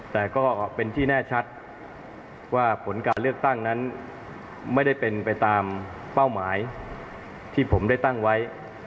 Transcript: แต่ก็เป็นที่แน่ชัดว่าผลการเลือกตั้งนั้นไม่ได้เป็นไปตามเป้าหมายที่ผมได้ตั้งไว้